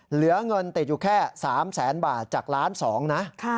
เหลือง่นติดอยู่แค่๓๐๐บาทแต่จากล้านสองนะ